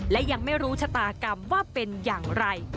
และยังไม่รู้ชะตากรรมว่าเป็นอย่างไร